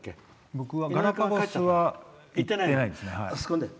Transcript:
僕はガラパゴスは行ってないですね。